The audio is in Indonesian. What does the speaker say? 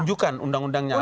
tunjukkan undang undangnya apa